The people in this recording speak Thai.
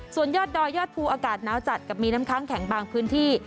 ส่วนยอดดอยยอดภูอากาศหนาวจัดกับมีน้ำค้างแข็งบางพื้นที่